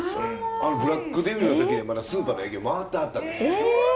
あのブラックデビルの時にはまだスーパーの営業回ってはったんです。